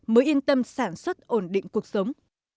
mới yên tâm sản xuất ổn định cuộc sống